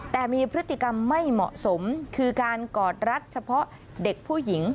แต่มีพฤติกรรมไม่เหมาะสมคือการกอดรัดเฉพาะเด็กผู้หญิง